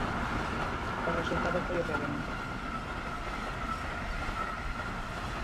O resultado foi o que vemos.